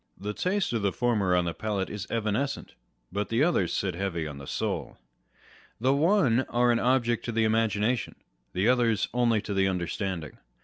The taste of the former on the palate is evanescent ; but the others sit heavy on the soul. The one are an object to the imagina tion : the others only to the understanding.